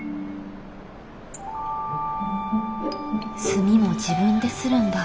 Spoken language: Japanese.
墨も自分でするんだ。